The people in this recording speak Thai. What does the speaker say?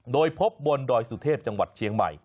โดยพบบนดอยสุเทพจังหวัดเชียงใหม่